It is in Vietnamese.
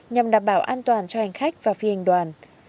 nhằm đảm bảo an toàn cho hành khách và phi hành đoàn